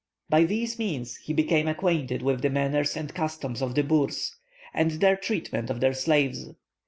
By these means he became acquainted with the manners and customs of the Boers, and their treatment of their slaves.